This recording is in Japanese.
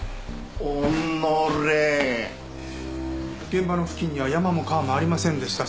現場の付近には山も川もありませんでした。